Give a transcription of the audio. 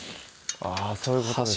あぁそういうことですね